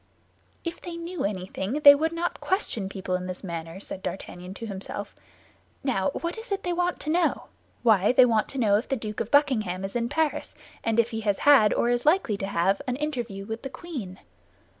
"If they knew anything, they would not question people in this manner," said D'Artagnan to himself. "Now, what is it they want to know? Why, they want to know if the Duke of Buckingham is in Paris, and if he has had, or is likely to have, an interview with the queen."